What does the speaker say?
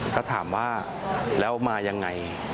ก็ถามว่าแล้วมายังไง